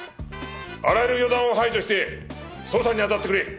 あらゆる予断を排除して捜査に当たってくれ。